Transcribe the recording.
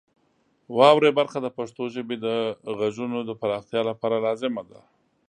واورئ برخه د پښتو ژبې د غږونو د پراختیا لپاره لازمه ده.